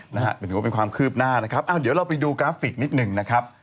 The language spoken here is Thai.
แน่นอนเป็นความคืบหน้านะครับเดี๋ยวเราไปดูกราฟิกนิดนึงนะครับ